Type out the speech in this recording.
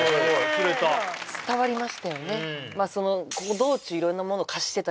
釣れた伝わりましたよね